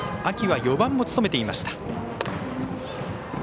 秋は４番も務めていました。